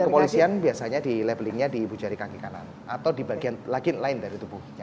dari kepolisian biasanya di labeling nya di ibu jari kaki kanan atau di bagian lain dari tubuhnya